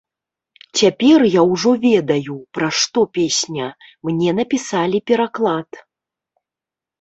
Цяпер я ўжо ведаю, пра што песня, мне напісалі пераклад.